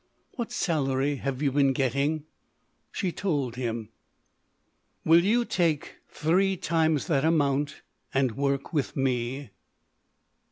"What salary have you been getting?" She told him. "Will you take three times that amount and work with me?"